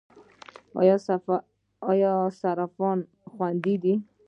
آیا صرافان خوندي دي؟